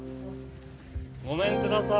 ごめんください。